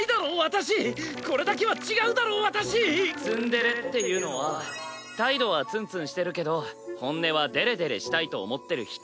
ツンデレっていうのは態度はツンツンしてるけど本音はデレデレしたいと思ってる人。